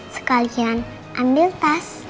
sekalian ambil tas